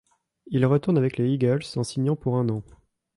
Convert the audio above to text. Il retourne avec les Eagles en signant pour un an.